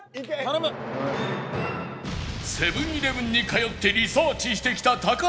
セブン−イレブンに通ってリサーチしてきた高橋克典